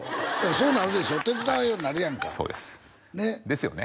そうなるでしょ手伝わんようになるやんかそうですですよね？